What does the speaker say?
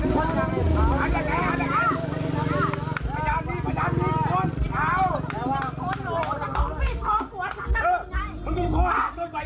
นี่ยอมรักแต่เป็นผู้ช่วย